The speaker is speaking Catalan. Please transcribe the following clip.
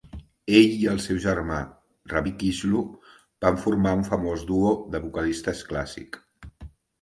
Ell i el seu germà, Ravi Kichlu, van formar un famós duo de vocalistes clàssic.